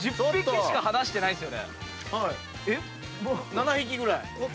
７匹ぐらい。